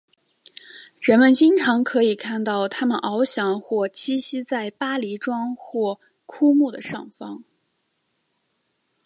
人们经常可以看到它们翱翔或栖息在篱笆桩或枯木的上方。